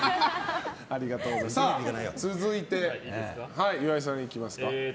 続いて岩井さん、いきますか。